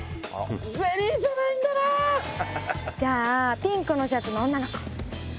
じゃあピンクのシャツの女の子。